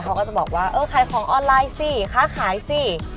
เขาก็จะบอกว่าเออขายของออนไลน์สิค้าขายสิ